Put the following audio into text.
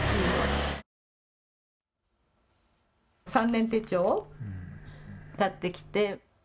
３年手帳を買ってきて。